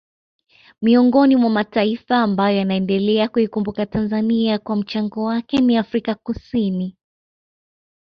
Miongoni mwa mataifa ambayo yanaendelea kuikumbuka Tanzania kwa mchango wake ni Afrika Kusini